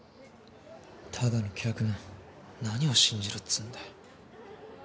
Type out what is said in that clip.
ただの客の何を信じろっつうんだよ。